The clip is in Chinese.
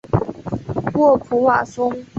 沃普瓦松。